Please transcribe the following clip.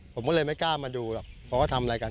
ผมก็เลยไม่กล้ามาดูหรอกเพราะว่าทำอะไรกัน